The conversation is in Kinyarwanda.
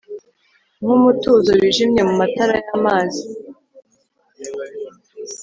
nkumutuzo wijimye mumatara yamazi